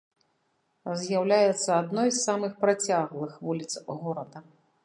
З'яўляецца адной з самых працяглых вуліц горада.